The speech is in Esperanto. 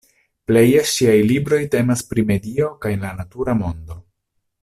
Pleje ŝiaj libroj temas pri medio kaj la natura mondo.